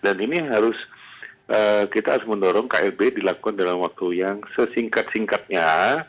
dan ini harus kita harus mendorong klb dilakukan dalam waktu yang sesingkat singkatnya